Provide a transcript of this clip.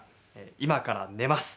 今から寝ます。